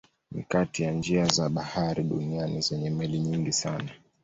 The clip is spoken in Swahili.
Ni kati ya njia za bahari duniani zenye meli nyingi sana.